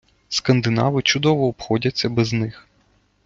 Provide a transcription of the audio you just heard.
Скандинави чудово обходяться без них.